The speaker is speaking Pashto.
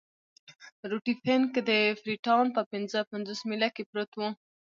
روټي فنک د فري ټاون په پنځه پنځوس میله کې پروت وو.